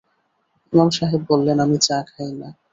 ইমাম সাহেব বললেন, আমি চা খাই না।